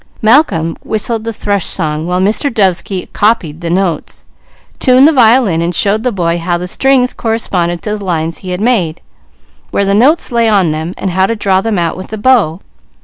Malcolm whistled the thrush song while Mr. Dovesky copied the notes, tuned the violin, and showed the boy how the strings corresponded to the lines he had made, where the notes lay on them, and how to draw them out with the bow.